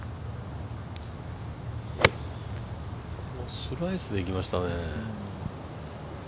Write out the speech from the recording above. スライスでいきましたね。